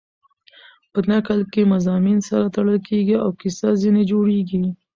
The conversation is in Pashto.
په نکل کښي مضامین سره تړل کېږي او کیسه ځیني جوړېږي.